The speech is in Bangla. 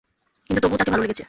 কিন্তু তবুও তাকে ভালো লেগেছে।